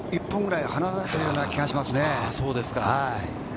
１分くらい離されているような気がしますね。